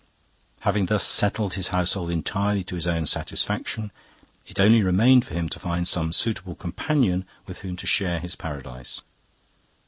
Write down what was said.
"Having thus settled his household entirely to his own satisfaction, it only remained for him to find some suitable companion with whom to share his paradise.